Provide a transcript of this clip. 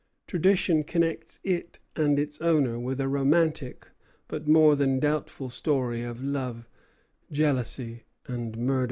Tradition connects it and its owner with a romantic, but more than doubtful, story of love, jealousy, and murder.